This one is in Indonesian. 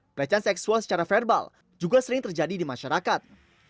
pelecehan seksual secara verbal juga sering terjadi di masyarakat